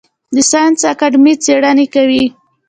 د ساینس اکاډمي څیړنې کوي؟